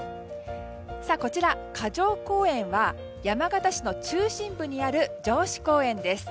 こちら、霞城公園は山形市の中心部にある城址公園です。